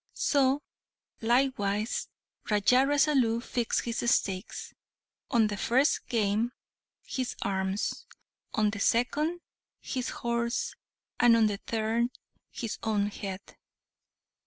So, likewise, Raja Rasalu fixed his stakes, on the first game, his arms; on the second, his horse; and, on the third, his own head.